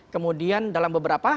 kemudian dalam keadaan kepentingan